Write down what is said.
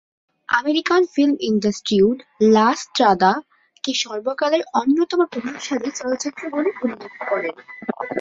American film institute "La স্ত্রাদা"-কে সর্বকালের অন্যতম প্রভাবশালী চলচ্চিত্র বলে উল্লেখ করে।